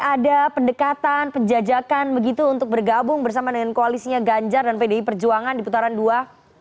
ada pendekatan penjajakan begitu untuk bergabung bersama dengan koalisinya ganjar dan pdi perjuangan di putaran dua